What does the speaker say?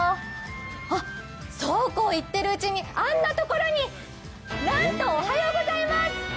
あっ、そうこう言ってるうちにあんなところになんと、おはようございます。